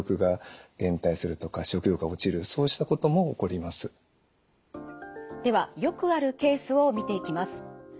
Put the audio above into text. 例えばではよくあるケースを見ていきます。